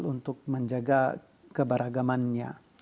untuk menjaga keberagamannya